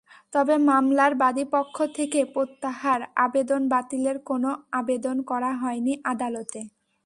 তবে মামলার বাদীপক্ষ থেকে প্রত্যাহার আবেদন বাতিলের কোনো আবেদন করা হয়নি আদালতে।